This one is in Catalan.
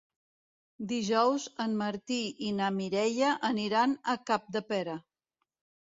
Dijous en Martí i na Mireia aniran a Capdepera.